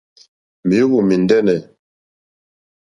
Mèóhwò mɛ̀ndɛ́nɛ̀.